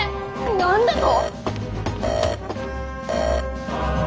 何だと！